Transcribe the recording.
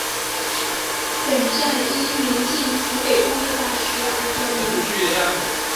本站因临近湖北工业大学而得名。